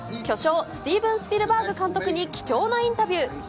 巨匠、スティーブン・スピルバーグ監督に、貴重なインタビュー。